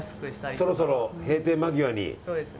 そろそろ閉店間際に？